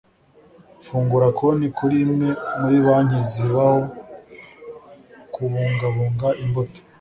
Fungura konti kuri imwe muri banki zibaho kubungabunga imbuto